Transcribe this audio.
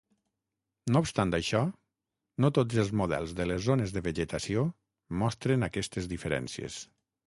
No obstant això, no tots els models de les zones de vegetació mostren aquestes diferències.